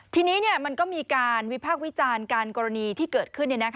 ทีนี้มันก็มีการวิพากษ์วิจารณ์การกรณีที่เกิดขึ้น